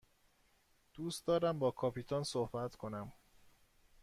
دوست دارم با کاپیتان صحبت کنم.